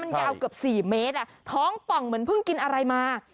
ยาวเกือบ๔เมตรท้องป่องเหมือนเพิ่งกินอะไรมา